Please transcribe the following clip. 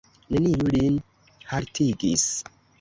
Neniu lin haltigis.